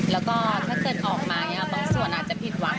แล้วก็ถ้าเกิดออกมาบางส่วนอาจจะผิดหวัง